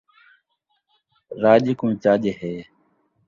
رڄ کوں چڄ ہے